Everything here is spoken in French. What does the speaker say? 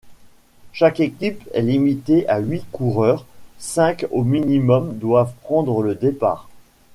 Chaque équipe est limitée à huit coureurs, cinq au minimum doivent prendre le départ.